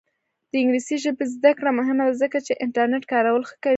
د انګلیسي ژبې زده کړه مهمه ده ځکه چې انټرنیټ کارول ښه کوي.